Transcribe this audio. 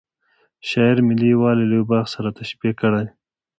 شاعر ملي یوالی له یوه باغ سره تشبه کړی.